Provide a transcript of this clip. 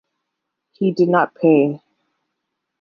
He did not pay.